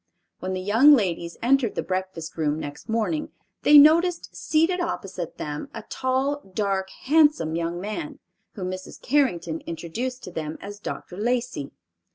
When the young ladies entered the breakfast room next morning they noticed seated opposite them a tall, dark, handsome young man, whom Mrs. Carrington introduced to them as Dr. Lacey.